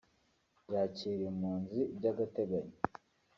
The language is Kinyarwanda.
yakira impunzi by’agateganyo